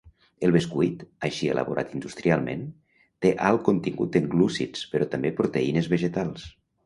El bescuit, així elaborat industrialment, té alt contingut en glúcids però també proteïnes vegetals.